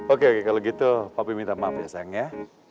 oke kalau gitu papi minta maaf ya sayangnya